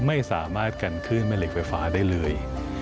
ไม่สามารถกันขึ้นแม่เหล็กไฟฟ้าได้เลย